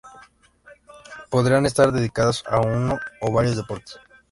Podían estar dedicadas a uno o varios deportes.